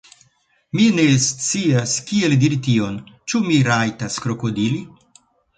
Mi ne scias, kiel diri tion. Ĉu mi rajtas krokodili?